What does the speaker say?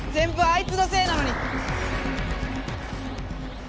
あいつのせいなのに！